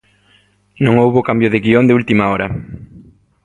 Non houbo cambio de guión de última hora.